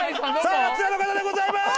あちらの方でございます。